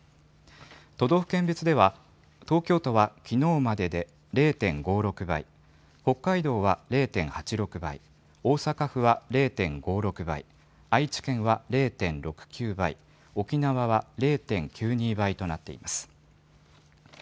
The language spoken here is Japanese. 都道府県別では、東京都はきのうまでで０．５６倍、北海道は０．８６倍、大阪府は０．５６倍、愛知県は０．６９倍、沖縄は０．９２倍となっています。